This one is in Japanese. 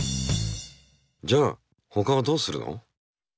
じゃあほかはどうするの？